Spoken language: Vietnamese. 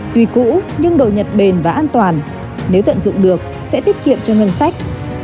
tuy cũ nhưng đồ nhật bền và an toàn nếu tận dụng được sẽ tiết kiệm cho ngân sách